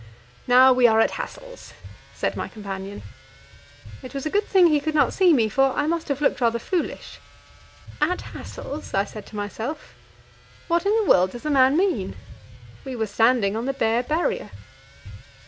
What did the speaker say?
"Now we are at Hassel's," said my companion. It was a good thing he could not see me, for I must have looked rather foolish. At Hassel's? I said to myself. What in the world does the man mean? We were standing on the bare Barrier.